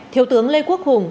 thiếu tướng lê quốc hùng